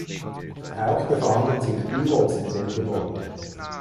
Auch befanden sich Büros in dem Gebäude.